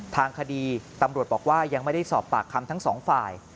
ทางคดีตำรวจบอกว่ายังไม่ได้สอบปากคำทั้งสองฝ่าย